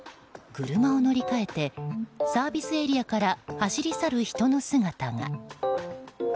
車を乗り換えてサービスエリアから走り去る人の姿が。